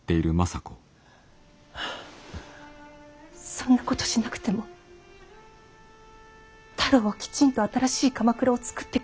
そんなことしなくても太郎はきちんと新しい鎌倉をつくってくれるわ。